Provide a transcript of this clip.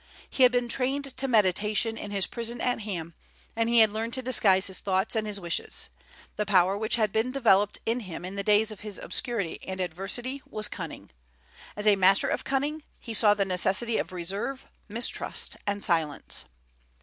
He had been trained to meditation in his prison at Ham; and he had learned to disguise his thoughts and his wishes. The power which had been developed in him in the days of his obscurity and adversity was cunning. As a master of cunning he saw the necessity of reserve, mistrust, and silence.